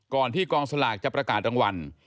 ก่อนที่กองสลากจะประกาศทั้งวัน